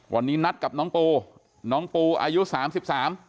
วันนี้นัดกับน้องปูน้องปูอายุ๓๓ปี